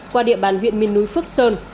qua địa bàn huyện miền núi phước sơn